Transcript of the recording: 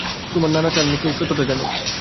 তোমার নানা চাননি কেউ সত্যটা জানুক।